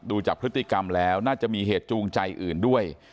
ดูจากพฤติกรรมแล้วน่าจะมีเหตุจูงใจอื่นด้วย